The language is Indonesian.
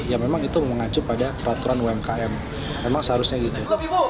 ya memang itu mengacu pada peraturan umkm memang seharusnya gitu